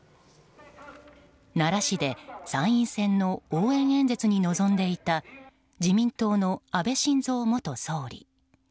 奈良市で参院選の応援演説に臨んでいた自民党の安倍晋三元総理。